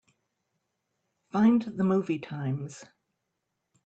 Find the movie times.